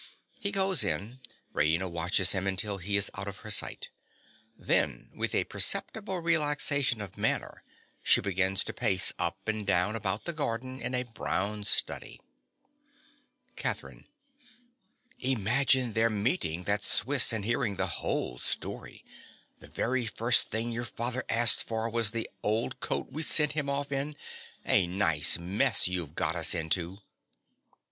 (_He goes in. Raina watches him until he is out of her sight. Then, with a perceptible relaxation of manner, she begins to pace up and down about the garden in a brown study._) CATHERINE. Imagine their meeting that Swiss and hearing the whole story! The very first thing your father asked for was the old coat we sent him off in. A nice mess you have got us into!